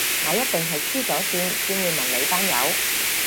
我一定係痴咗線先會問你班友